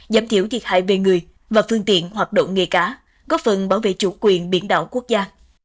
giảm thiểu thiệt hại về người và phương tiện hoạt động nghề cá góp phần bảo vệ chủ quyền biển đảo quốc gia